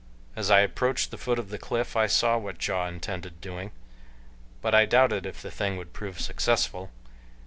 As I approached the foot of the cliff I saw what Ja intended doing, but I doubted if the thing would prove successful.